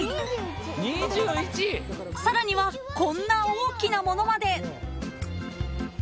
［さらにはこんな大きなものまで］